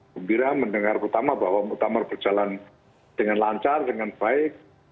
gembira mendengar pertama bahwa muktamar berjalan dengan lancar dengan baik